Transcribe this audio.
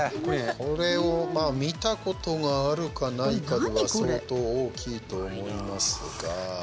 これを見たことがあるか、ないかが相当大きいと思いますが。